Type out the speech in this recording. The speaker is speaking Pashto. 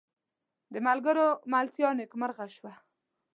د ملګرو ملتیا نیکمرغه شوه.